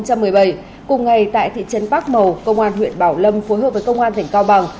cùng ngày tại thị trấn bác màu công an huyện bảo lâm phối hợp với công an tỉnh cao bằng